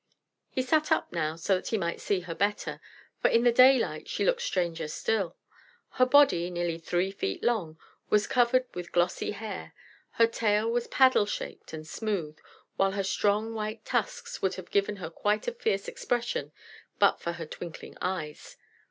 He sat up now so that he might see her better, for in the daylight she looked stranger still. Her body, nearly three feet long, was covered with glossy hair; her tail was paddle shaped and smooth, while her strong white tusks would have given her quite a fierce expression but for her twinkling eyes.